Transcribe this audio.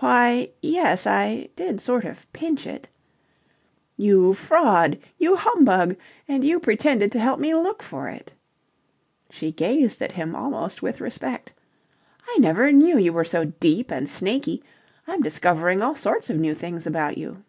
"Why, yes, I did sort of pinch it..." "You fraud! You humbug! And you pretended to help me look for it." She gazed at him almost with respect. "I never knew you were so deep and snaky. I'm discovering all sorts of new things about you."